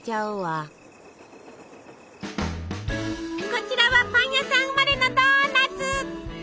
こちらはパン屋さん生まれのドーナツ。